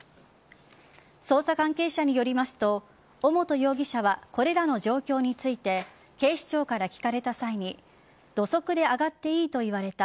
捜査関係者によりますと尾本容疑者はこれらの状況について警視庁から聞かれた際に土足で上がっていいと言われた。